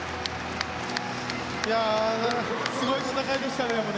すごい戦いでしたね。